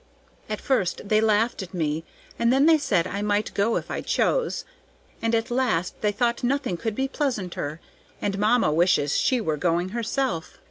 "At first they laughed at me, and then they said I might go if I chose, and at last they thought nothing could be pleasanter, and mamma wishes she were going herself.